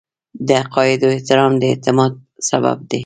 د عقایدو احترام د اعتماد سبب دی.